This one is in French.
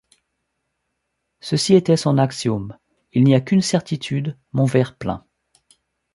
Ceci était son axiome: Il n’y a qu’une certitude, mon verre plein.